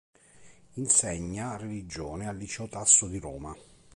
Insegna religione al "Liceo Tasso" di Roma.